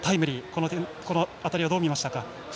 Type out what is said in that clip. この辺りはどう見ましたか？